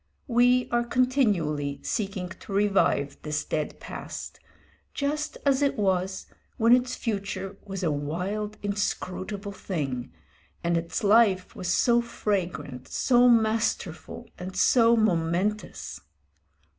We are continually seeking to revive this dead past, just as it was, when its future was a wild, inscrutable thing, and its life was so fragrant, so masterful, and so momentous.